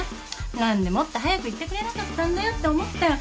何でもっと早く言ってくれなかったんだよって思ったよ。